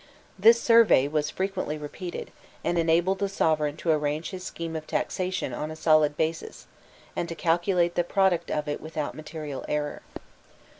This survey was frequently repeated, and enabled the sovereign to arrange his scheme of taxation on a solid basis, and to calculate the product of it without material error.